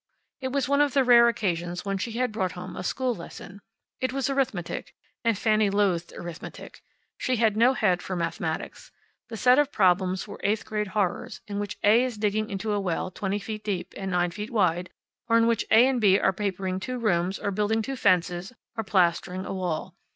It was one of the rare occasions when she had brought home a school lesson. It was arithmetic, and Fanny loathed arithmetic. She had no head for mathematics. The set of problems were eighth grade horrors, in which A is digging a well 20 feet deep and 9 feet wide; or in which A and B are papering two rooms, or building two fences, or plastering a wall.